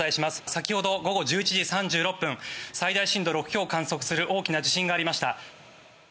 先ほど午後１１時３６分最大震度６強を観測する大きな地震がありました。